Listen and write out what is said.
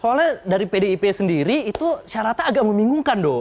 soalnya dari pdip sendiri itu syaratnya agak membingungkan dong